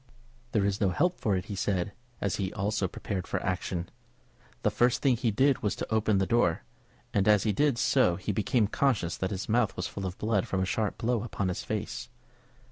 "There is no help for it," he said, as he also prepared for action. The first thing he did was to open the door, and as he did so he became conscious that his mouth was full of blood from a sharp blow upon his face.